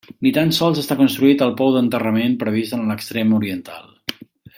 Ni tan sols està construït el pou d'enterrament previst en l'extrem oriental.